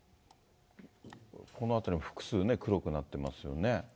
この辺りも複数黒くなっていますよね。